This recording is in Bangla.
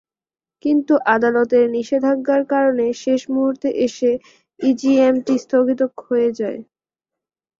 কিন্তু আদালতের নিষেধাজ্ঞার কারণে শেষ মুহূর্তে এসে ইজিএমটি স্থগিত হয়ে যায়।